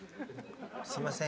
「すみません